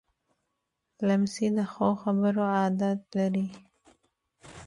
لمسی د ښو خبرو عادت لري.